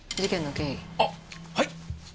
あっはい！